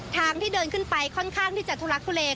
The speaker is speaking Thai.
ทางที่เดินขึ้นไปค่อนข้างที่จะทุลักทุเล